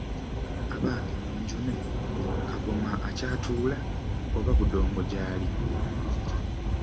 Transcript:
"Abange munjune, Kagoma akyatuula, oba budongo gyali?"